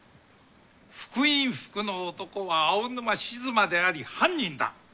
復員服の男は青沼静馬であり犯人だ。